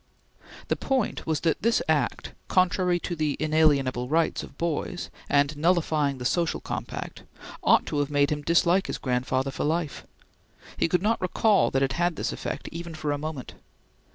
The point was that this act, contrary to the inalienable rights of boys, and nullifying the social compact, ought to have made him dislike his grandfather for life. He could not recall that it had this effect even for a moment.